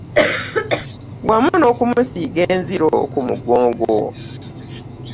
Wamu n'okumusiiga enziro ku mugongo